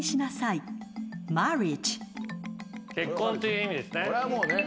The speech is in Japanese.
「結婚」という意味ですね。